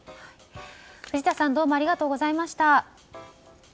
藤田さんありがとうございました。